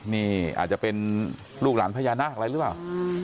นี่อาจจะเป็นลูกหลานพญานาคอะไรหรือเปล่า